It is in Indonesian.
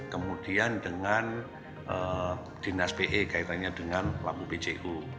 kemudian dengan dinas pe kaitannya dengan lampu bcu